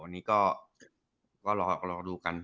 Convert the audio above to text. นี่ก็ลองดูกัน